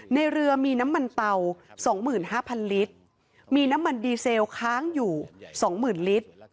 ในเรือมีน้ำมันเตา๒๕๐๐ลิตรมีน้ำมันดีเซลค้างอยู่๒๐๐๐ลิตร